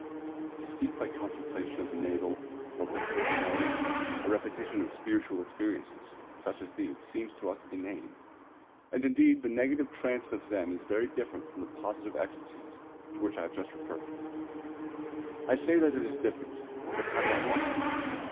To seek by contemplation of the navel or of the tip of the nose a repetition of spiritual experiences such as these seems to us inane; and indeed the negative trance of Zen is very different from the positive ecstasies to which I have just referred. I say that it is different; but how do I know?